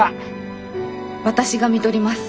私が看取ります。